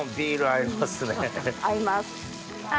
合いますね。